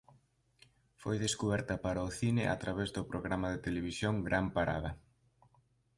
Foi descuberta para o cine a través do programa de televisión "Gran Parada".